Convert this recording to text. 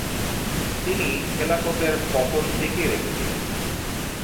তিনি খেলাফতের পতন ঠেকিয়ে রেখেছিলেন।